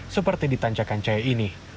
seperti di tanjakan cahaya ini